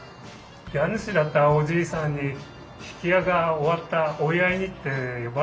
家主だったおじいさんに曳家が終わったお祝いにって呼ばれたんですよ。